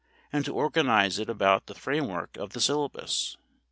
and to organize it about the framework of the syllabus.